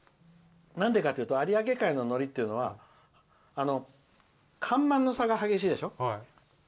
なんでかというと有明海ののりっていうのは干満の差が激しいでしょ。